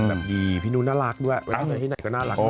แบบดีพี่นุ้นน่ารักด้วยเวลาไปที่ไหนก็น่ารักดี